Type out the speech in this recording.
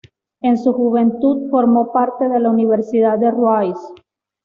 En su juventud formó parte de la Universidad de Rice.